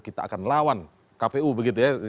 kita akan melawan kpu begitu ya